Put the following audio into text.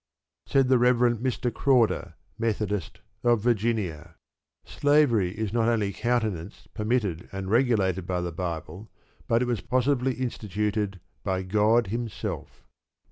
Said the Rev. Mr. Crawder, Methodist, of Virginia: "Slavery is not only countenanced, permitted, and regulated by the Bible, but it was positively instituted by God Himself."